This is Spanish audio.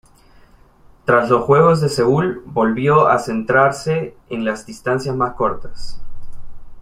Tras los juegos de Seúl volvió a centrarse en las distancias más cortas.